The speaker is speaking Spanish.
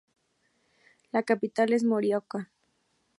La capital es Morioka.